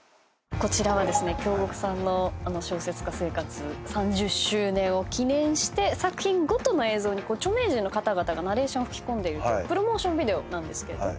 こちらはですね京極さんの小説家生活３０周年を記念して作品ごとの映像に著名人の方々がナレーションを吹き込んでいるというプロモーションビデオなんですけれども。